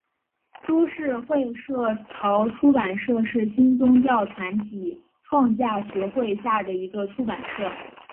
株式会社潮出版社是新宗教团体创价学会下的一个出版社。